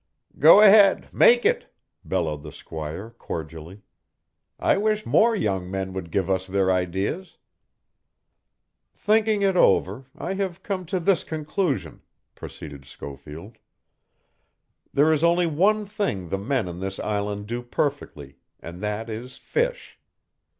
"Go ahead, make it," bellowed the squire cordially. "I wish more young men would give us their ideas." "Thinking it over, I have come to this conclusion," proceeded Schofield. "There is only one thing the men on this island do perfectly, and that is fish.